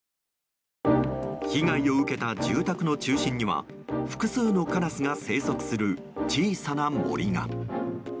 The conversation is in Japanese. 被害を受けた住宅の中心には複数のカラスが生息する小さな森が。